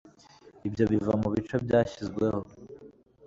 Ibyo biva mubice byashyizweho